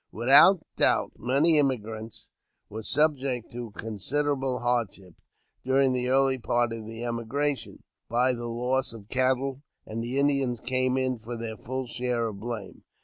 Without doubt, many emigrants were subjected to consider able hardship, during the early part of the emigration, by the loss of cattle, and the Indians came in for their full share of blame.